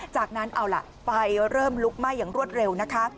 จากนั้นเอาล่ะไฟเริ่มลุกไหม้อย่างรวดเร็วนะคะ